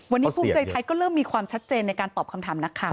วันนี้ภูมิใจไทยก็เริ่มมีความชัดเจนในการตอบคำถามนักข่าว